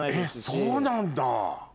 えっそうなんだ！